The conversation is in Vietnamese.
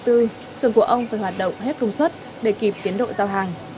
trong ngày hai mươi tháng bốn sườn của ông phải hoạt động hết công suất để kịp tiến độ giao hàng